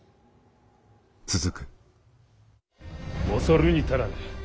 恐るに足らぬ。